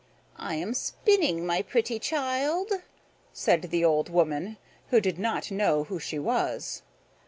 "I am spinning, my pretty child," said the old woman, who did not know who she was.